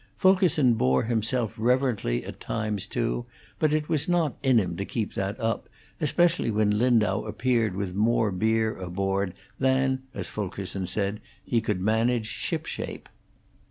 Fulkerson bore himself reverently at times, too, but it was not in him to keep that up, especially when Lindau appeared with more beer aboard than, as Fulkerson said, he could manage shipshape.